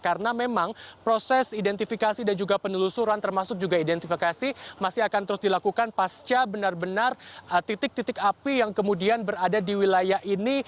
karena memang proses identifikasi dan juga penelusuran termasuk juga identifikasi masih akan terus dilakukan pasca benar benar titik titik api yang kemudian berada di wilayah ini